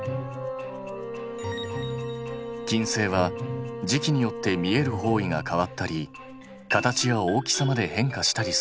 金星は時期によって見える方位が変わったり形や大きさまで変化したりする。